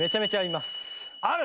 ある！